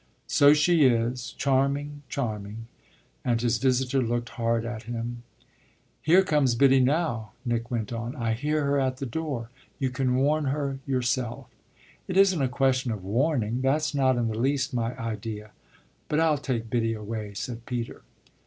"So she is, charming, charming," and his visitor looked hard at him. "Here comes Biddy now," Nick went on. "I hear her at the door: you can warn her yourself." "It isn't a question of 'warning' that's not in the least my idea. But I'll take Biddy away," said Peter.